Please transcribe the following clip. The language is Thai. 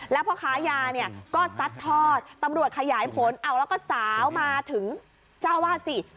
แล้วพ่อค้ายาเนี่ยก็ซัดทอดตำรวจขยายผลเอาแล้วก็สาวมาถึงเจ้าวาดสิ